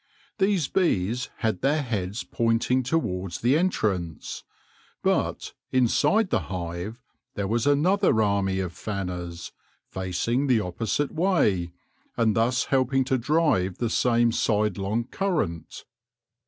These bees had their heads pointing towards the entrance ; but, inside the hive, there was another army of fanners, facing the opposite way, and thus helping to drive the same sidelong current.